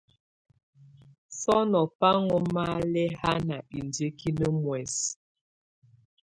Sɔnɔ̀ bà ɔ́ŋ malɛ̀hana indiǝ́kinǝ muɛsɛ.